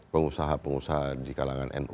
pengusaha pengusaha di kalangan